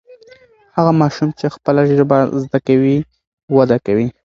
هغه ماشوم چې خپله ژبه زده کوي وده کوي.